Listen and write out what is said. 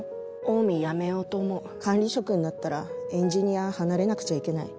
オウミ辞めようと思う管理職になったらエンジニア離れなくちゃいけない。